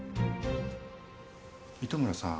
糸村さん。